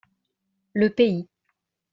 Le pays.